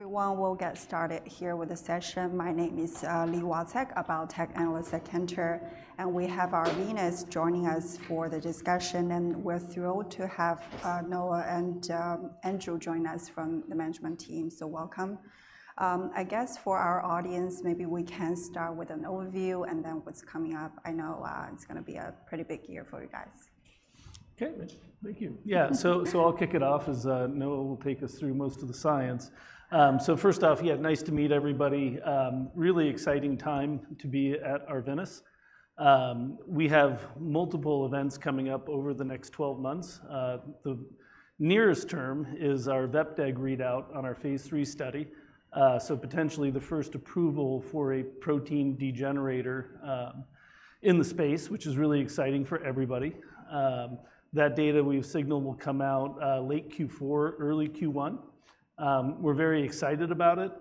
Everyone, we'll get started here with the session. My name is Li Watsek, a biotech analyst at Cantor, and we have Arvinas joining us for the discussion, and we're thrilled to have Noah and Andrew join us from the management team, so welcome. I guess for our audience, maybe we can start with an overview and then what's coming up. I know it's gonna be a pretty big year for you guys. Okay, Thank you. Yeah, so I'll kick it off as Noah will take us through most of the science. So first off, yeah, nice to meet everybody. Really exciting time to be at Arvinas. We have multiple events coming up over the next 12 months. The nearest term is our vepdegestrant readout on our phase III study, so potentially the first approval for a protein degrader in the space, which is really exciting for everybody. That data we've signaled will come out late Q4, early Q1. We're very excited about it.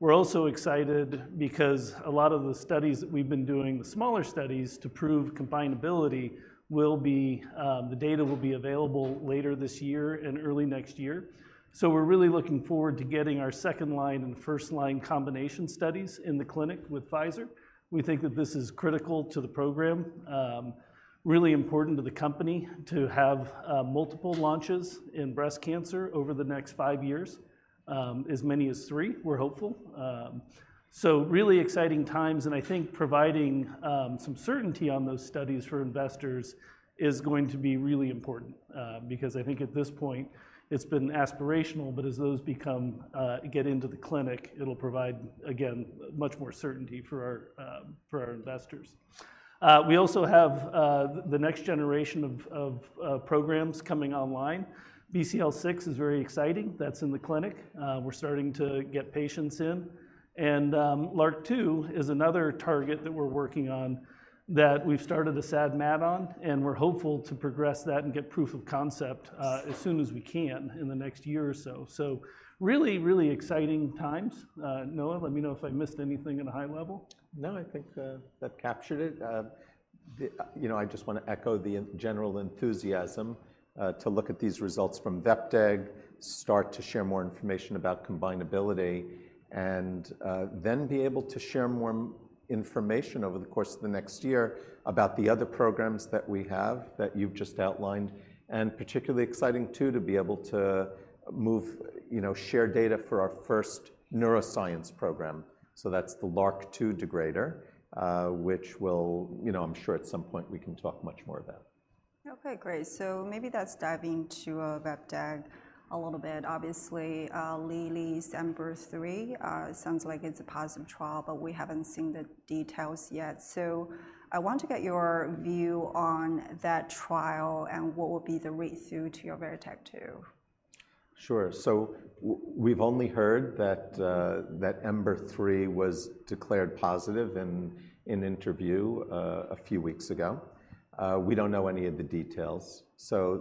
We're also excited because a lot of the studies that we've been doing, the smaller studies, to prove combinability will be, the data will be available later this year and early next year. So we're really looking forward to getting our second-line and first-line combination studies in the clinic with Pfizer. We think that this is critical to the program. Really important to the company to have multiple launches in breast cancer over the next five years. As many as three, we're hopeful. So really exciting times, and I think providing some certainty on those studies for investors is going to be really important. Because I think at this point it's been aspirational, but as those get into the clinic, it'll provide, again, much more certainty for our investors. We also have the next generation of programs coming online. BCL6 is very exciting. That's in the clinic. We're starting to get patients in. LRRK2 is another target that we're working on, that we've started the SAD/MAD on, and we're hopeful to progress that and get proof of concept as soon as we can in the next year or so. Really, really exciting times. Noah, let me know if I missed anything at a high level. No, I think that captured it. You know, I just wanna echo the general enthusiasm to look at these results from vepdegestrant, start to share more information about combinability, and then be able to share more information over the course of the next year about the other programs that we have, that you've just outlined. And particularly exciting, too, to be able to move, you know, share data for our first neuroscience program. So that's the LRRK2 degrader, which will. You know, I'm sure at some point we can talk much more about. Okay, great. So maybe let's dive into vepdegestrant a little bit. Obviously, Lilly's EMBER-3 sounds like it's a positive trial, but we haven't seen the details yet. So I want to get your view on that trial and what will be the read-through to your VERITAC-2. Sure. So we've only heard that Ember-3 was declared positive in interim a few weeks ago. We don't know any of the details, so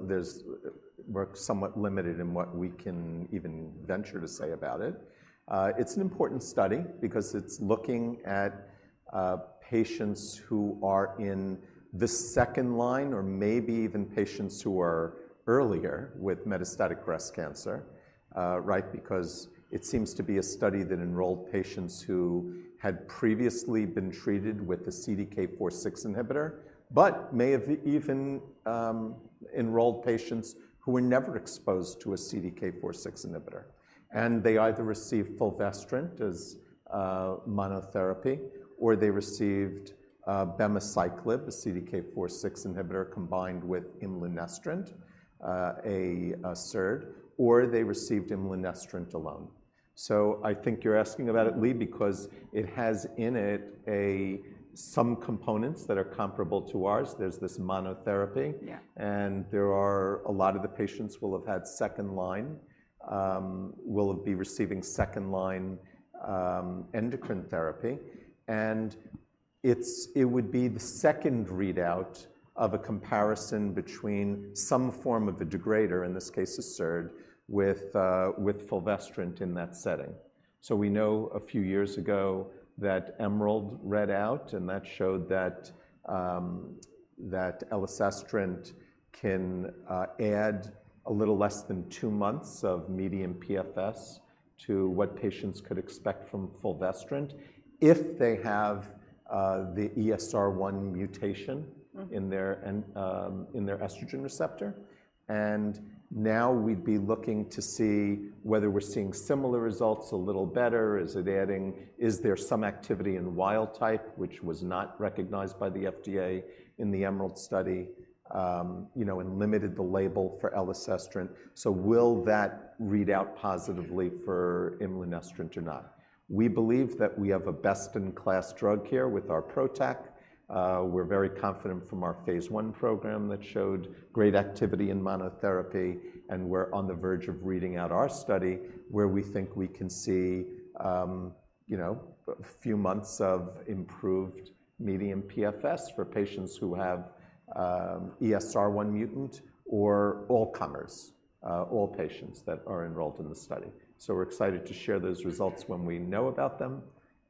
we're somewhat limited in what we can even venture to say about it. It's an important study because it's looking at patients who are in the second line or maybe even patients who are earlier with metastatic breast cancer, right? Because it seems to be a study that enrolled patients who had previously been treated with a CDK4/6 inhibitor, but may have even enrolled patients who were never exposed to a CDK4/6 inhibitor. And they either received fulvestrant as monotherapy, or they received abemaciclib, a CDK4/6 inhibitor, combined with imlunestrant, a SERD, or they received imlunestrant alone. So I think you're asking about it, Li, because it has in it some components that are comparable to ours. There's this monotherapy. And there are a lot of the patients will have had second line, will be receiving second-line, endocrine therapy. And it would be the second readout of a comparison between some form of the degrader, in this case a SERD, with, with fulvestrant in that setting. So we know a few years ago that EMERALD read out, and that showed that, that elacestrant can, add a little less than two months of median PFS to what patients could expect from fulvestrant if they have, the ESR1 mutation. In their estrogen receptor. And now we'd be looking to see whether we're seeing similar results, a little better. Is there some activity in the wild-type, which was not recognized by the FDA in the EMERALD study, you know, and limited the label for elacestrant? So will that read out positively for imlunestrant or not? We believe that we have a best-in-class drug here with our PROTAC. We're very confident from our phase I program that showed great activity in monotherapy, and we're on the verge of reading out our study, where we think we can see, you know, a few months of improved median PFS for patients who have, ESR1 mutant or all comers, all patients that are enrolled in the study. So we're excited to share those results when we know about them,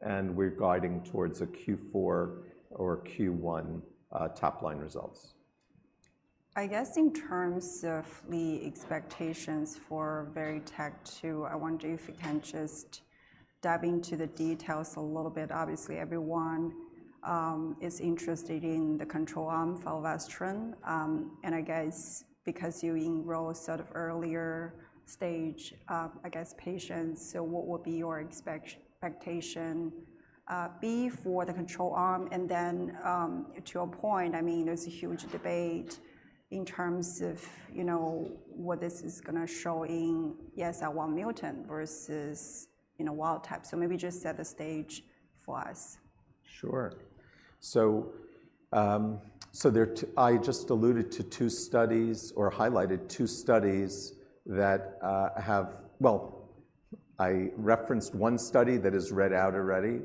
and we're guiding towards a Q4 or Q1, top-line results. I guess in terms of the expectations for VERITAC-2, I wonder if you can just dive into the details a little bit. Obviously, everyone is interested in the control arm fulvestrant, and I guess because you enroll sort of earlier stage, I guess, patients, so what would be your expectation be for the control arm? And then, to your point, I mean, there's a huge debate in terms of, you know, what this is gonna show in ESR1 mutant versus, you know, wild type. So maybe just set the stage for us. Sure. So, so there I just alluded to two studies or highlighted two studies that have. Well, I referenced one study that is read out already,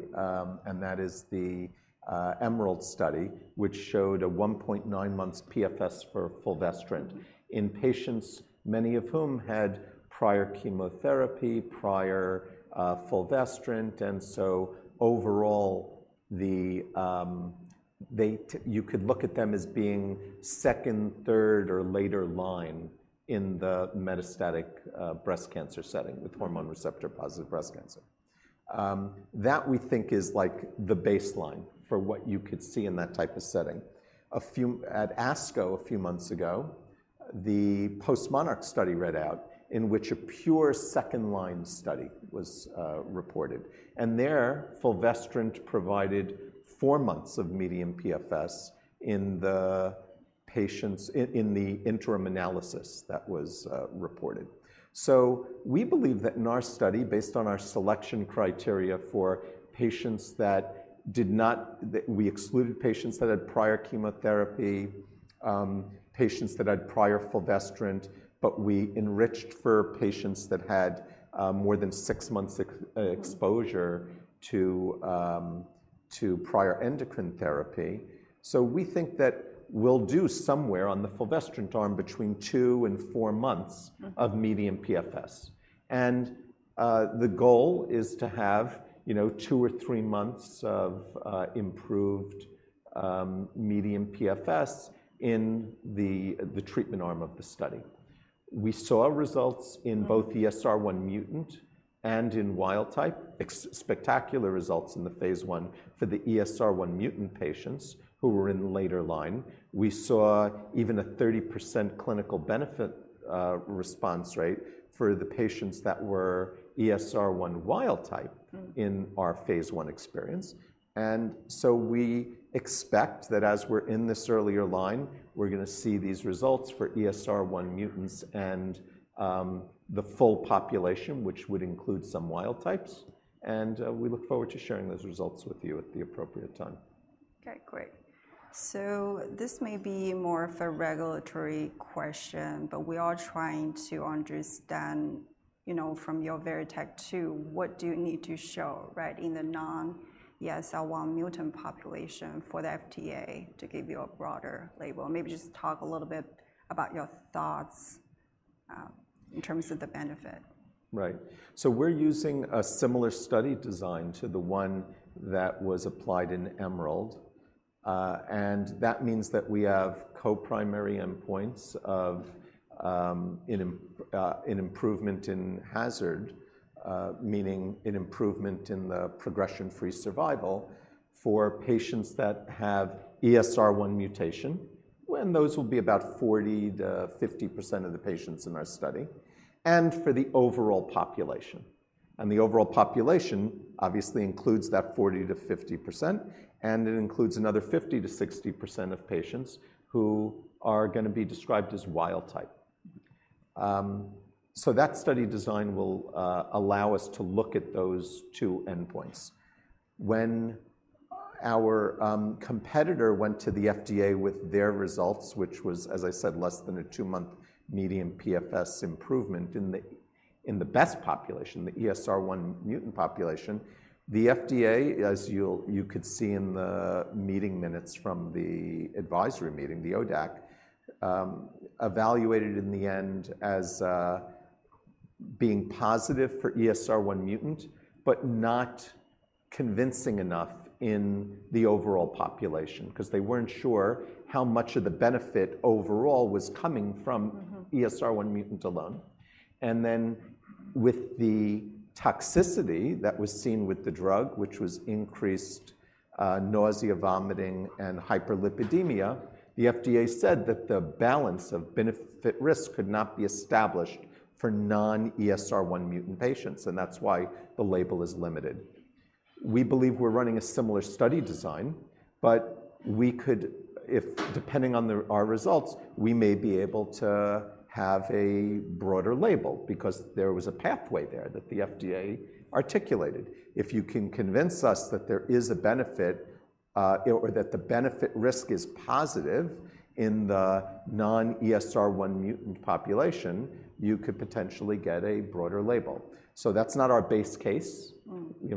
and that is the EMERALD study, which showed a 1.9-month PFS for fulvestrant in patients, many of whom had prior chemotherapy, prior fulvestrant. And so overall, they, you could look at them as being second, third, or later line in the metastatic breast cancer setting with hormone receptor-positive breast cancer. That we think is like the baseline for what you could see in that type of setting. At ASCO a few months ago, the postMONARCH study read out, in which a pure second-line study was reported. There, fulvestrant provided four months of median PFS in the patients, in the interim analysis that was reported, so we believe that in our study, based on our selection criteria for patients that we excluded patients that had prior chemotherapy, patients that had prior fulvestrant, but we enriched for patients that had more than six months exposure to prior endocrine therapy, so we think that we'll do somewhere on the fulvestrant arm between two and four months of median PFS. And the goal is to have, you know, two or three months of improved median PFS in the treatment arm of the study. We saw results in both ESR1 mutant and in wild type, spectacular results in the phase I for the ESR1 mutant patients who were in later line. We saw even a 30% clinical benefit response rate for the patients that were ESR1 wild type in our phase I experience. And so we expect that as we're in this earlier line, we're gonna see these results for ESR1 mutants and the full population, which would include some wild types, and we look forward to sharing those results with you at the appropriate time. Okay, great. So this may be more of a regulatory question, but we are trying to understand, you know, from your VERITAC-2, what do you need to show, right, in the non-ESR1 mutant population for the FDA to give you a broader label? Maybe just talk a little bit about your thoughts in terms of the benefit. Right. So we're using a similar study design to the one that was applied in EMERALD, and that means that we have co-primary endpoints of an improvement in hazard, meaning an improvement in the progression-free survival for patients that have ESR1 mutation, and those will be about 40%-50% of the patients in our study, and for the overall population. The overall population obviously includes that 40%-50%, and it includes another 50%-60% of patients who are gonna be described as wild type. So that study design will allow us to look at those two endpoints. When our competitor went to the FDA with their results, which was, as I said, less than a two-month median PFS improvement in the best population, the ESR1 mutant population, the FDA, as you could see in the meeting minutes from the advisory meeting, the ODAC evaluated in the end as being positive for ESR1 mutant, but not convincing enough in the overall population, 'cause they weren't sure how much of the benefit overall was coming from. ESR1 mutant alone. And then with the toxicity that was seen with the drug, which was increased nausea, vomiting, and hyperlipidemia, the FDA said that the balance of benefit-risk could not be established for non-ESR1 mutant patients, and that's why the label is limited. We believe we're running a similar study design, but we could... if depending on our results, we may be able to have a broader label because there was a pathway there that the FDA articulated. "If you can convince us that there is a benefit, or that the benefit-risk is positive in the non-ESR1 mutant population, you could potentially get a broader label." So that's not our base case....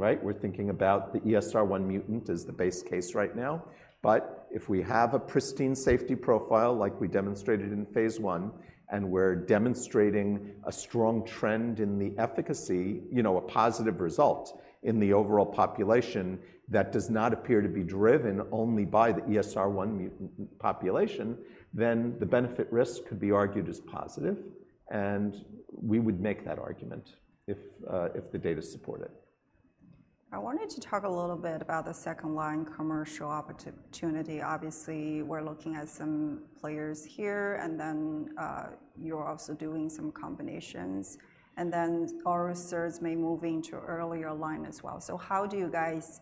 right? We're thinking about the ESR1 mutant as the base case right now. But if we have a pristine safety profile, like we demonstrated in phase one, and we're demonstrating a strong trend in the efficacy, you know, a positive result in the overall population that does not appear to be driven only by the ESR1 mutant population, then the benefit risk could be argued as positive, and we would make that argument if, if the data support it. I wanted to talk a little bit about the second-line commercial opportunity. Obviously, we're looking at some players here, and then, you're also doing some combinations, and then Arvinas may move into earlier line as well. So how do you guys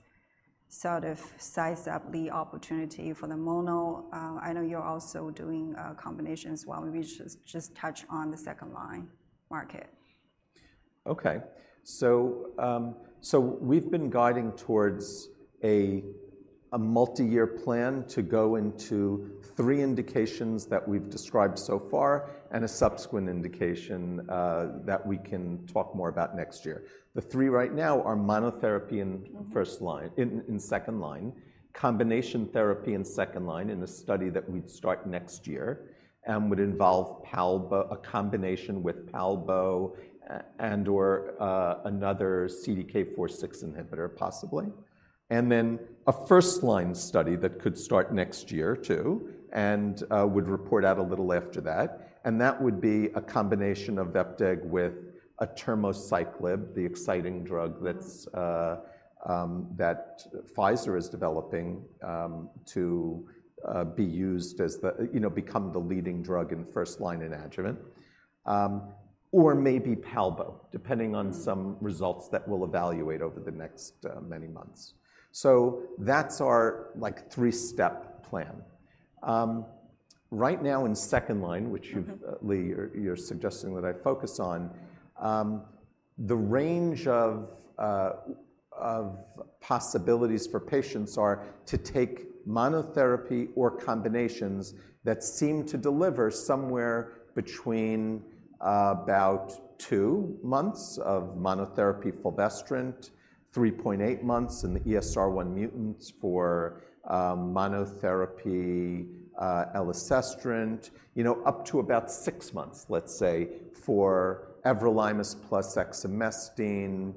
sort of size up the opportunity for the mono? I know you're also doing combinations while we just touch on the second-line market. Okay. So we've been guiding towards a multi-year plan to go into three indications that we've described so far, and a subsequent indication that we can talk more about next year. The three right now are monotherapy in second line, combination therapy in second line in a study that we'd start next year, and would involve a combination with palbo and/or another CDK4/6 inhibitor, possibly. And then a first-line study that could start next year, too, and would report out a little after that, and that would be a combination of vepdegestrant with atirmociclib, the exciting drug that's that Pfizer is developing to be used as the, you know, become the leading drug in first line in adjuvant. Or maybe palbo, depending on some results that we'll evaluate over the next many months. So that's our, like, three-step plan. Right now, in second line, which you've- Li, you're suggesting that I focus on the range of possibilities for patients are to take monotherapy or combinations that seem to deliver somewhere between about two months of monotherapy fulvestrant, 3.8 months in the ESR1 mutants for monotherapy elacestrant, you know, up to about six months, let's say, for everolimus plus exemestane,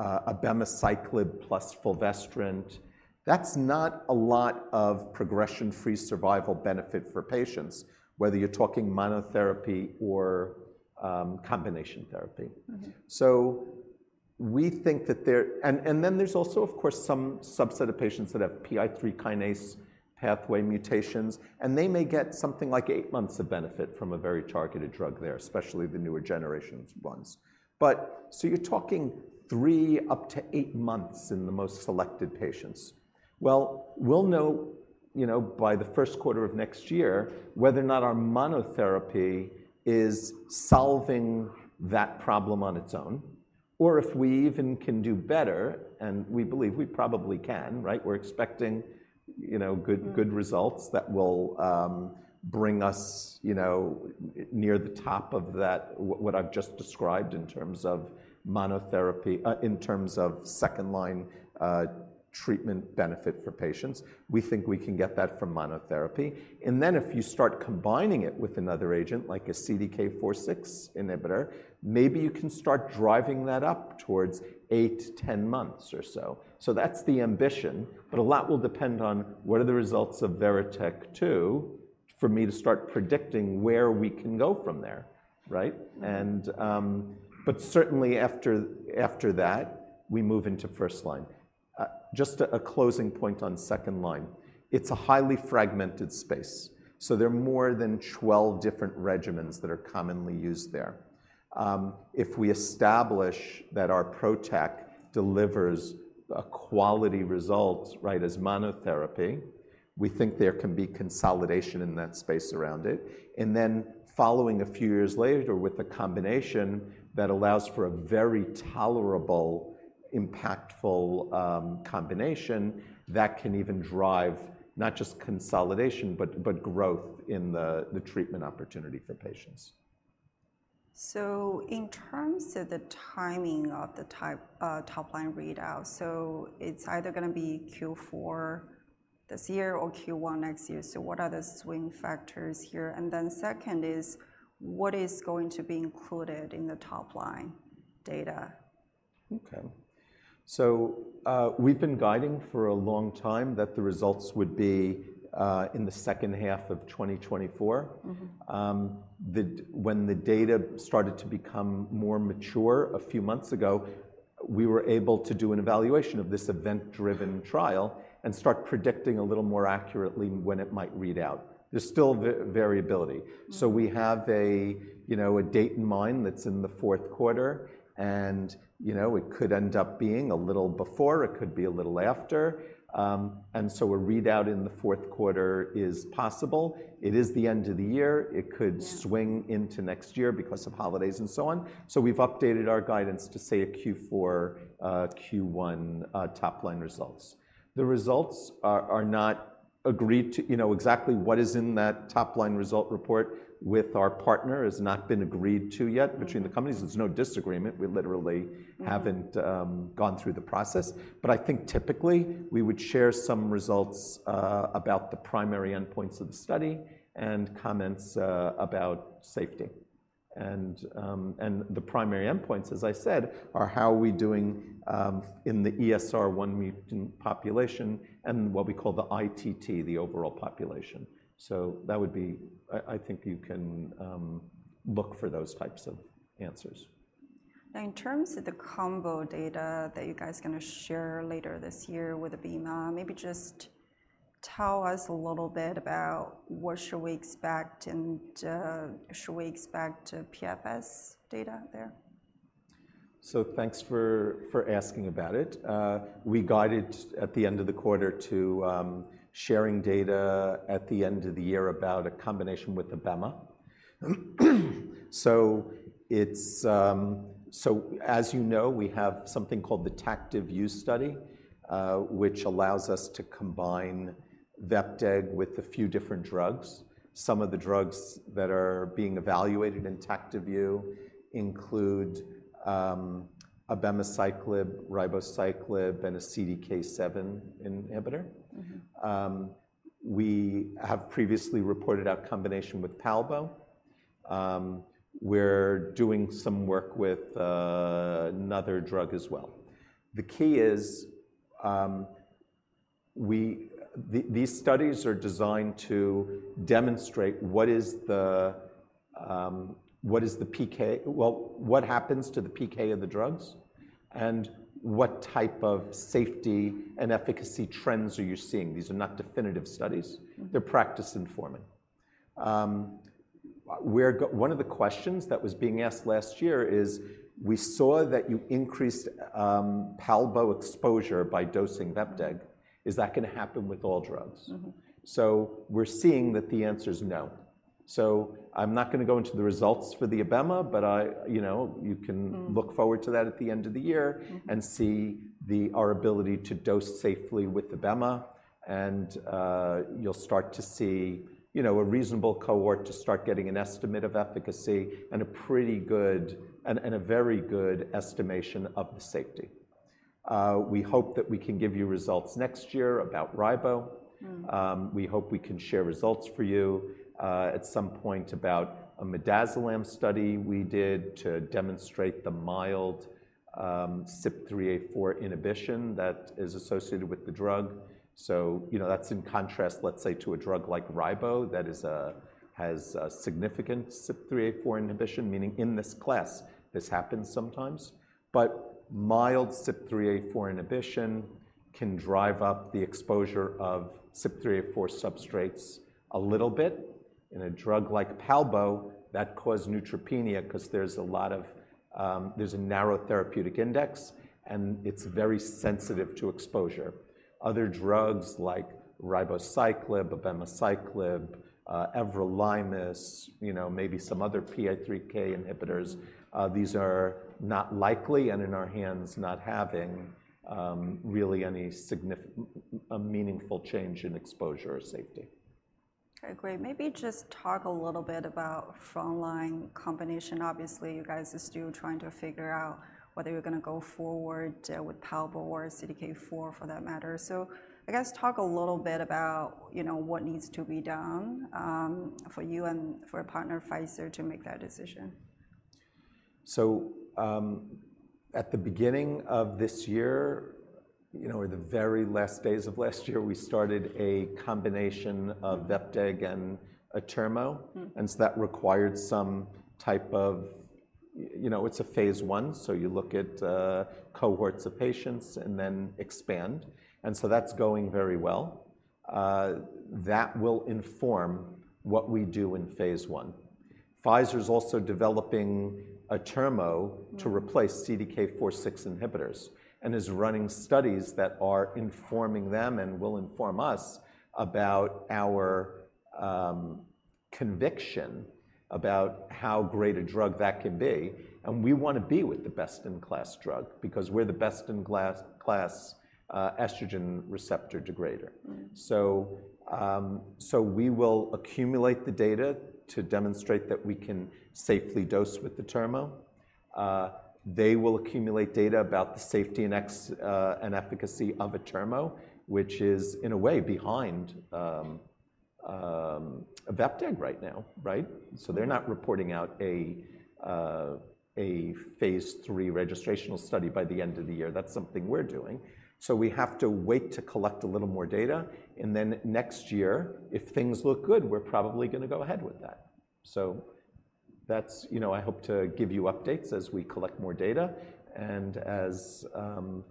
abemaciclib plus fulvestrant. That's not a lot of progression-free survival benefit for patients, whether you're talking monotherapy or combination therapy. So we think, and then there's also, of course, some subset of patients that have PI3K pathway mutations, and they may get something like eight months of benefit from a very targeted drug there, especially the newer generations ones. But, so you're talking three up to eight months in the most selected patients. Well, we'll know, you know, by the first quarter of next year, whether or not our monotherapy is solving that problem on its own, or if we even can do better, and we believe we probably can, right? We're expecting, you know good, good results that will bring us, you know, near the top of that, what I've just described in terms of monotherapy, in terms of second-line treatment benefit for patients. We think we can get that from monotherapy. And then, if you start combining it with another agent, like a CDK4/6 inhibitor, maybe you can start driving that up towards eight to 10 months or so. So that's the ambition, but a lot will depend on what are the results of VERITAC-2, for me to start predicting where we can go from there, right? But certainly after that, we move into first line. Just a closing point on second line. It's a highly fragmented space, so there are more than 12 different regimens that are commonly used there. If we establish that our PROTAC delivers a quality result, right, as monotherapy, we think there can be consolidation in that space around it. And then following a few years later with a combination that allows for a very tolerable, impactful combination, that can even drive not just consolidation, but growth in the treatment opportunity for patients. So in terms of the timing of the top-line readout, so it's either gonna be Q4 this year or Q1 next year. So what are the swing factors here? And then second is: What is going to be included in the top-line data? Okay. So, we've been guiding for a long time that the results would be in the second half of 2024. When the data started to become more mature a few months ago, we were able to do an evaluation of this event-driven trial and start predicting a little more accurately when it might read out. There's still variability. So we have a, you know, a date in mind that's in the fourth quarter, and, you know, it could end up being a little before, it could be a little after. And so a readout in the fourth quarter is possible. It is the end of the year. It could swing into next year because of holidays and so on. So we've updated our guidance to say a Q4, Q1, top-line results. The results are not agreed to, you know, exactly what is in that top-line result report with our partner has not been agreed to yet between the companies. There's no disagreement. We literally haven't gone through the process. But I think typically, we would share some results about the primary endpoints of the study and comments about safety. And, and the primary endpoints, as I said, are how are we doing in the ESR1 mutant population and what we call the ITT, the overall population. So that would be. I think you can look for those types of answers. Now, in terms of the combo data that you guys are gonna share later this year with abema, maybe just tell us a little bit about what should we expect, and, should we expect PFS data there? Thanks for asking about it. We guided at the end of the quarter to sharing data at the end of the year about a combination with abema. It's. As you know, we have something called the TACTIVE-U study, which allows us to combine vepdegestrant with a few different drugs. Some of the drugs that are being evaluated in TACTIVE-U include abemaciclib, ribociclib, and a CDK7 inhibitor. We have previously reported out combination with palbo. We're doing some work with another drug as well. The key is, well, these studies are designed to demonstrate what happens to the PK of the drugs, and what type of safety and efficacy trends are you seeing? These are not definitive studies. One of the questions that was being asked last year is: we saw that you increased palbo exposure by dosing vepdegestrant. Is that gonna happen with all drugs? We're seeing that the answer is no. I'm not gonna go into the results for the abema, but I, you know, you can look forward to that at the end of the year and see our ability to dose safely with abema, and you'll start to see, you know, a reasonable cohort to start getting an estimate of efficacy and a pretty good, and a very good estimation of the safety. We hope that we can give you results next year about ribo. We hope we can share results for you at some point about a midazolam study we did to demonstrate the mild CYP3A4 inhibition that is associated with the drug, so you know, that's in contrast, let's say, to a drug like ribo that has a significant CYP3A4 inhibition, meaning in this class, this happens sometimes. But mild CYP3A4 inhibition can drive up the exposure of CYP3A4 substrates a little bit. In a drug like palbo, that caused neutropenia 'cause there's a narrow therapeutic index, and it's very sensitive to exposure. Other drugs like ribociclib, abemaciclib, everolimus, you know, maybe some other PI3K inhibitors, these are not likely, and in our hands, not having really any, a meaningful change in exposure or safety. Okay, great. Maybe just talk a little bit about front-line combination. Obviously, you guys are still trying to figure out whether you're gonna go forward with palbo or CDK4, for that matter. So I guess talk a little bit about, you know, what needs to be done for you and for your partner, Pfizer, to make that decision. At the beginning of this year, you know, or the very last days of last year, we started a combination of vepdegestrant and atirmociclib. And so that required some type of... You know, it's a phase I, so you look at cohorts of patients and then expand, and so that's going very well. That will inform what we do in phase I. Pfizer is also developing atirmociclib to replace CDK4/6 inhibitors and is running studies that are informing them and will inform us about our conviction about how great a drug that can be. And we wanna be with the best-in-class drug because we're the best-in-class estrogen receptor degrader. We will accumulate the data to demonstrate that we can safely dose with the atirmociclib. They will accumulate data about the safety and efficacy of atirmociclib, which is, in a way, behind vepdegestrant right now, right? So they're not reporting out a phase III registrational study by the end of the year. That's something we're doing. So we have to wait to collect a little more data, and then next year, if things look good, we're probably gonna go ahead with that. So that's, you know, I hope to give you updates as we collect more data and as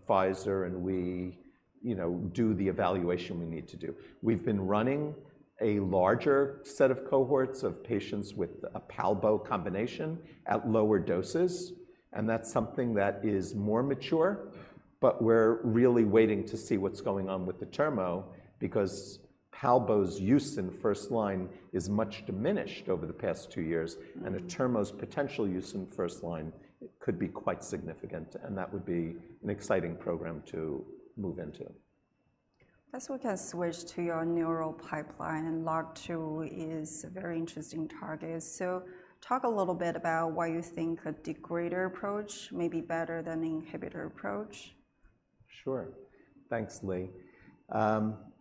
Pfizer and we, you know, do the evaluation we need to do. We've been running a larger set of cohorts of patients with a palbo combination at lower doses, and that's something that is more mature. But we're really waiting to see what's going on with atirmociclib because palbo's use in first line is much diminished over the past two years. And atirmociclib's potential use in first line could be quite significant, and that would be an exciting program to move into. Guess we can switch to your neural pipeline, and LRRK2 is a very interesting target. So talk a little bit about why you think a degrader approach may be better than an inhibitor approach? Sure. Thanks, Li.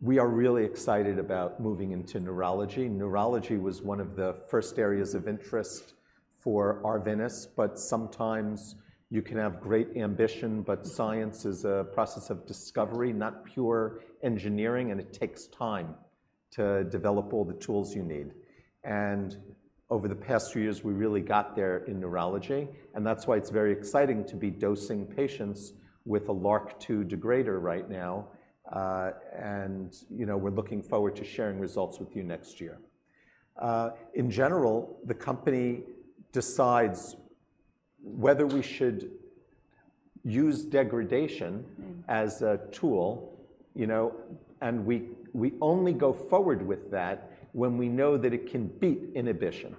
We are really excited about moving into neurology. Neurology was one of the first areas of interest for Arvinas, but sometimes you can have great ambition, but science is a process of discovery, not pure engineering, and it takes time to develop all the tools you need, and over the past few years, we really got there in neurology, and that's why it's very exciting to be dosing patients with a LRRK2 degrader right now, and, you know, we're looking forward to sharing results with you next year. In general, the company decides whether we should use degradation as a tool, you know, and we only go forward with that when we know that it can beat inhibition.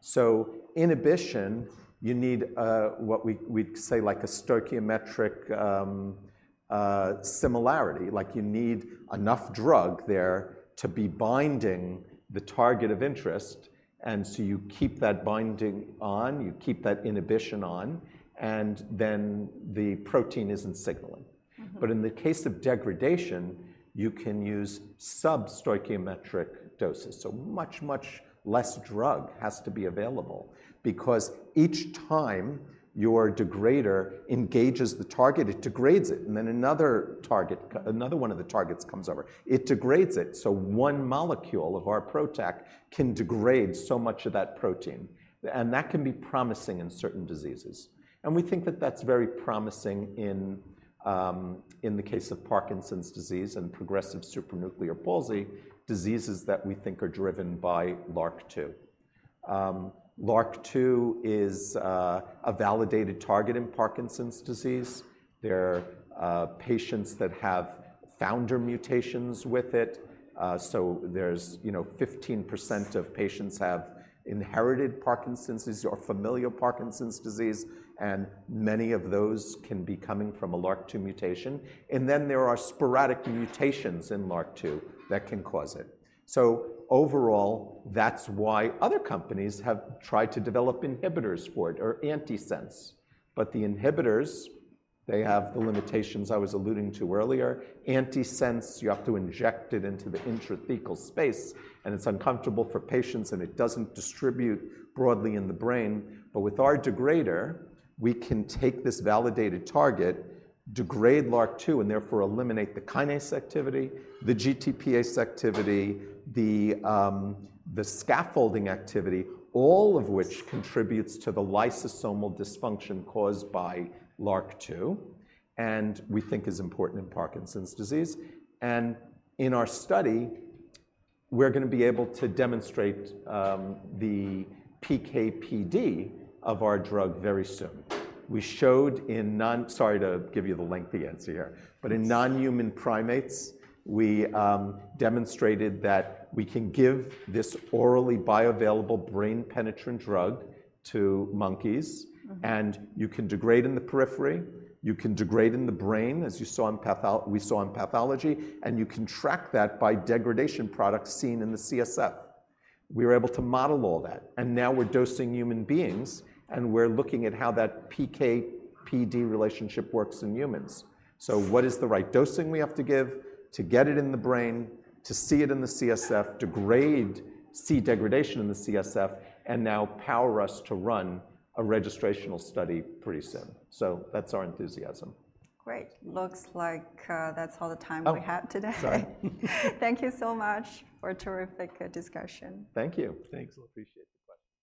So inhibition, you need what we'd say, like a stoichiometric similarity. Like, you need enough drug there to be binding the target of interest, and so you keep that binding on, you keep that inhibition on, and then the protein isn't signaling. But in the case of degradation, you can use sub-stoichiometric doses. So much, much less drug has to be available, because each time your degrader engages the target, it degrades it, and then another target another one of the targets comes over. It degrades it, so one molecule of our PROTAC can degrade so much of that protein, and that can be promising in certain diseases. And we think that that's very promising in the case of Parkinson's disease and progressive supranuclear palsy, diseases that we think are driven by LRRK2. LRRK2 is a validated target in Parkinson's disease. There are patients that have founder mutations with it. So there's, you know, 15% of patients have inherited Parkinson's or familial Parkinson's disease, and many of those can be coming from a LRRK2 mutation. And then there are sporadic mutations in LRRK2 that can cause it. So overall, that's why other companies have tried to develop inhibitors for it or antisense. But the inhibitors, they have the limitations I was alluding to earlier. Antisense, you have to inject it into the intrathecal space, and it's uncomfortable for patients, and it doesn't distribute broadly in the brain. But with our degrader, we can take this validated target, degrade LRRK2, and therefore eliminate the kinase activity, the GTPase activity, the scaffolding activity, all of which contributes to the lysosomal dysfunction caused by LRRK2, and we think is important in Parkinson's disease. And in our study, we're gonna be able to demonstrate the PK/PD of our drug very soon. Sorry to give you the lengthy answer here. But in non-human primates, we demonstrated that we can give this orally bioavailable, brain-penetrant drug to monkeys. You can degrade in the periphery, you can degrade in the brain, as we saw in pathology, and you can track that by degradation products seen in the CSF. We were able to model all that, and now we're dosing human beings, and we're looking at how that PK/PD relationship works in humans. What is the right dosing we have to give to get it in the brain, to see it in the CSF, degrade, see degradation in the CSF, and now power us to run a registrational study pretty soon? That's our enthusiasm. Great. Looks like, that's all the time we have today. Oh! Sorry. Thank you so much for a terrific, discussion. Thank you. Thanks. Appreciate the questions.